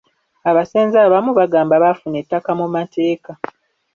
Abasenze abamu bagamba baafuna ettaka mu mateeka.